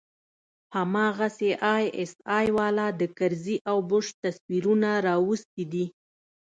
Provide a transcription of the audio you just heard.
هماغسې آى اس آى والا د کرزي او بوش تصويرونه راوستي دي.